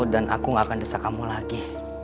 dan aku gak akan desa kamu lagi